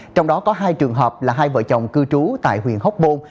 trong đó có hai trường hợp là hai vợ chồng cư trú tại huyện hóc môn